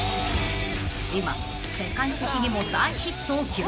［今世界的にも大ヒットを記録］